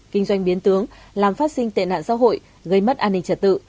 kinh doanh biến tướng làm phát sinh tệ nạn xã hội gây mất an ninh trật tự